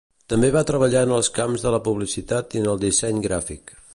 També va treballar en els camps de la publicitat i en el disseny gràfic.